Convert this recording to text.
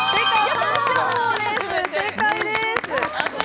正解でーす。